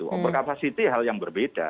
over capacity hal yang berbeda